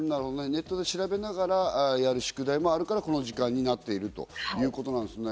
ネットで調べながらやる宿題もあるから、この時間になっているということですね。